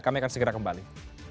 kami akan segera kembali